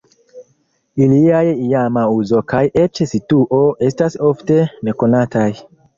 Iliaj iama uzo kaj eĉ situo estas ofte nekonataj.